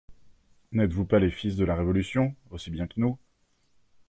N'êtes-vous pas les fils de la Révolution, aussi bien que nous?